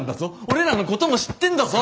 俺らのことも知ってんだぞ？